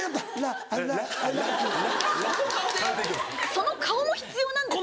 その顔も必要なんですか？